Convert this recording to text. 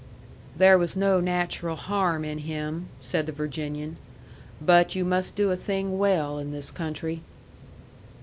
"There was no natural harm in him," said the Virginian. "But you must do a thing well in this country."